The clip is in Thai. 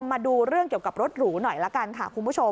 มาดูเรื่องเกี่ยวกับรถหรูหน่อยละกันค่ะคุณผู้ชม